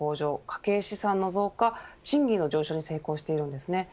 家計資産の増加賃金の上昇に成功しています。